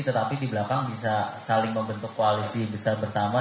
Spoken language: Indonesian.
tetapi di belakang bisa saling membentuk koalisi besar bersama